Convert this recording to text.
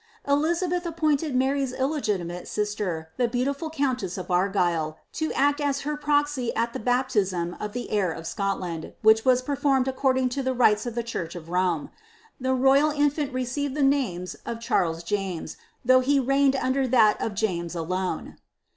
Elizabeth appointed Mary's ille giiimate sister, the beautiful countess of Argyle, to act as her proxy at Ike haptiani of the heir of Scotland, which was performed according lo die rites of the church of Rome. The royal infant received the names of Charles James, though he reigned under that of James alone.